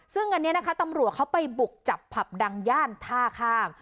ซึ่งอันนี้นะคะตำรวจเขาไปบุกจับผับดังย่านท่าข้าม